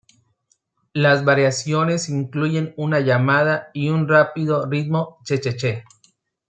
Las variaciones incluyen una llamada y un rápido ritmo che-che-che.